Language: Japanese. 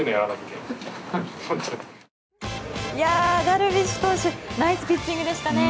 ダルビッシュ投手ナイスピッチングでしたね。